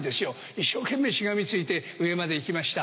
一生懸命しがみついて上まで行きました。